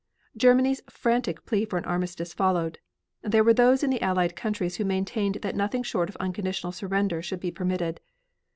Germany's frantic plea for an armistice followed. There were those in the Allied countries who maintained that nothing short of unconditional surrender should be permitted.